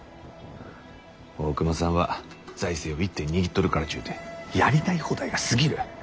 大隈さんは財政を一手に握っとるからっちゅうてやりたい放題が過ぎる。